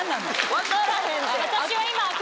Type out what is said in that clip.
分からへんて。